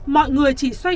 mọi người chỉ xoay